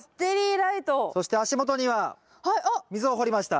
そして足元には溝を掘りました。